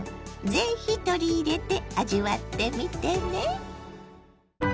是非取り入れて味わってみてね。